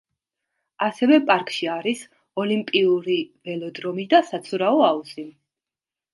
ასევე პარკში არის ოლიმპიური ველოდრომი და საცურაო აუზი.